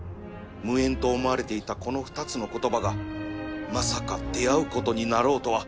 無縁と思われていたこの二つの言葉がまさか出合うことになろうとは